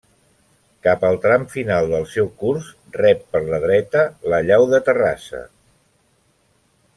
Cap al tram final del seu curs rep per la dreta la llau de Terrassa.